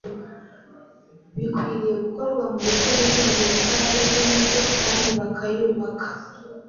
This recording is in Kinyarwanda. bikwiriye gukorwa mu buryo buzongera imbaraga z’imico kandi bukayubaka.